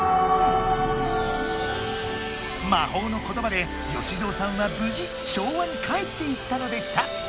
「魔法のことば」でよしぞうさんは無事昭和に帰っていったのでした。